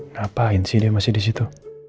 ngapain sih dia masih disitu